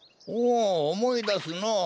おおおもいだすのう。